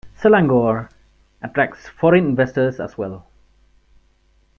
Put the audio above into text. Selangor attracts foreign investors as well.